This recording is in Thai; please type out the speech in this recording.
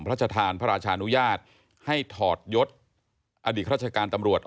พระราชทานพระราชานุญาตให้ถอดยศอดีตราชการตำรวจ